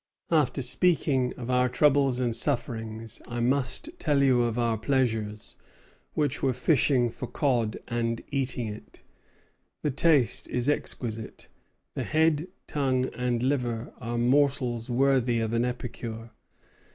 After speaking of our troubles and sufferings, I must tell you of our pleasures, which were fishing for cod and eating it. The taste is exquisite. The head, tongue, and liver are morsels worthy of an epicure.